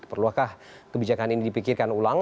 perlukah kebijakan ini dipikirkan ulang